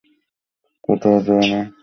কোথাও যেও না।